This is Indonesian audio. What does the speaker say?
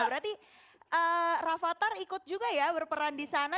berarti rafatar ikut juga ya berperan di sana